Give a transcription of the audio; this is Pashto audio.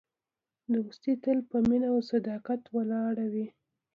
دوستي تل په مینه او صداقت ولاړه وي.